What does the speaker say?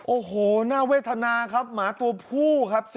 โอ้โหน่าเวทนาครับหมาตัวผู้ครับ